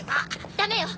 ダメよ！